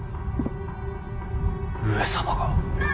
上様が？